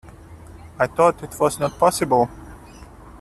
I thought it was not possible.